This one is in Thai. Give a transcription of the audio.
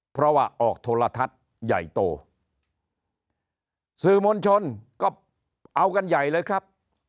เพราะว่าออกโทรทัศน์ใหญ่โตสื่อมวลชนก็เอากันใหญ่เลยครับ